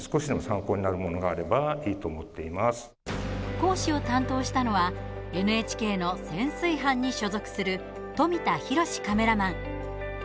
講師を担当したのはＮＨＫの潜水班に所属する富田浩司カメラマン。